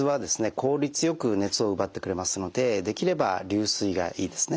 効率よく熱を奪ってくれますのでできれば流水がいいですね。